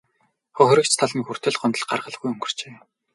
Хохирогч тал нь хүртэл гомдол гаргалгүй өнгөрчээ.